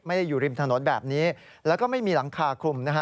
ไม่ได้อยู่ริมถนนแบบนี้แล้วก็ไม่มีหลังคาคุม